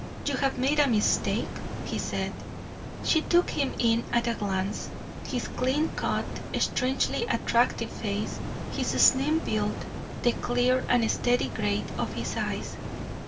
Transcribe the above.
"You have made a mistake?" he said. She took him in at a glance his clean cut, strangely attractive face, his slim build, the clear and steady gray of his eyes.